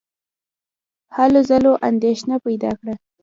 هلو ځلو اندېښنه پیدا کړه.